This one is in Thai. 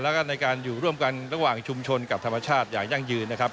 แล้วก็ในการอยู่ร่วมกันระหว่างชุมชนกับธรรมชาติอย่างยั่งยืนนะครับ